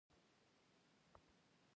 آیا چې سوله او امنیت ونلري؟